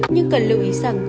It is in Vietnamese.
nhưng cần lưu ý rằng